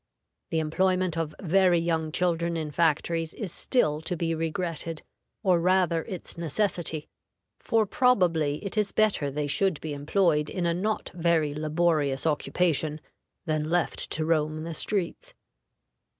The employment of very young children in factories is still to be regretted, or rather its necessity, for probably it is better they should be employed in a not very laborious occupation than left to roam the streets.